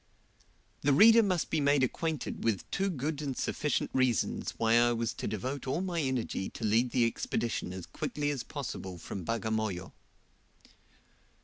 The reader must be made acquainted with two good and sufficient reasons why I was to devote all my energy to lead the Expedition as quickly as possible from Bagamoyo.